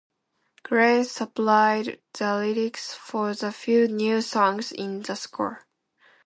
Grey supplied the lyrics for the few new songs in the score.